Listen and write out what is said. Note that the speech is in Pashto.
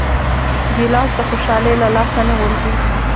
ګیلاس د خوشحالۍ له لاسه نه غورځي.